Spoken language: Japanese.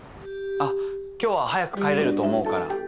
あっ今日は早く帰れると思うから。